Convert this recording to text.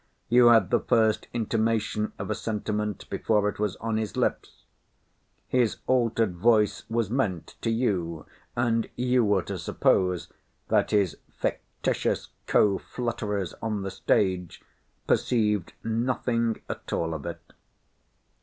You had the first intimation of a sentiment before it was on his lips. His altered voice was meant to you, and you were to suppose that his fictitious co flutterers on the stage perceived nothing at all of it.